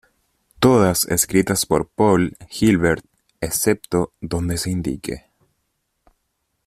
Todas escritas por Paul Gilbert, excepto donde se indique.